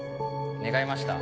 願いました？